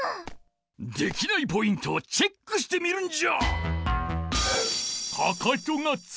できないポイントをチェックしてみるんじゃ！